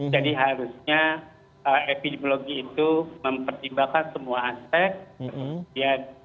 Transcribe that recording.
jadi harusnya epidemiologi itu mempertimbangkan semua aspek